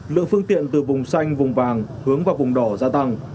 lượng phương tiện từ vùng xanh vùng vàng hướng vào vùng đỏ gia tăng